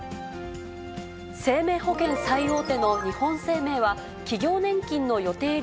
生命保険最大手の日本生命は、企業年金の予定